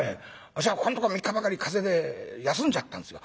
あっしはここんとこ３日ばかり風邪で休んじゃったんですよ。